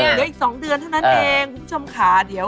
เหลืออีก๒เดือนเท่านั้นเองคุณผู้ชมค่ะเดี๋ยว